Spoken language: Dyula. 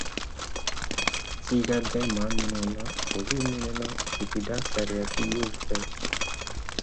Siga bɛ maa minnu na, olu minɛna sigida sariyatigiw fɛ.